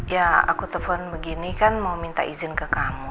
ya aku telpon begini kan mau minta izin ke kamu